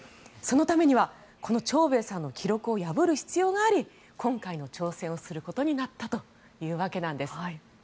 そのためにはチョウベイさんの記録を破る必要があり今回の挑戦をすることになったというわけなんです。